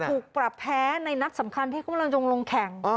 ถูกปรับแพ้ในนัดสำคัญที่เขากำลังจะลงแข่ง